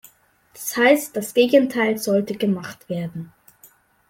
Das heißt, das Gegenteil sollte gemacht werden.